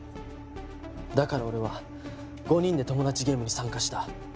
だから俺は５人でトモダチゲームに参加した。